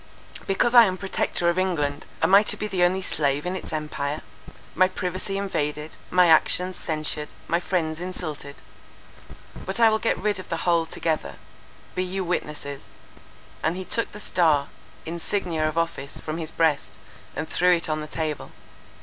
Because I am Protector of England, am I to be the only slave in its empire? My privacy invaded, my actions censured, my friends insulted? But I will get rid of the whole together.—Be you witnesses," and he took the star, insignia of office, from his breast, and threw it on the table.